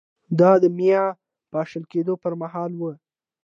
دا د مایا پاشل کېدو پرمهال و